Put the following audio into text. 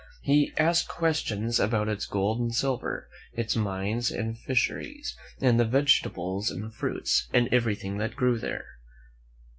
He asked questions about its gold and silver, its mines and fisheries, and the vegetables and fruits, and everything that grew there.